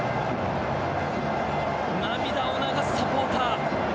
涙を流すサポーター。